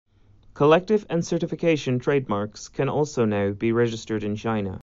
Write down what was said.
Collective and certification trademarks can also now be registered in China.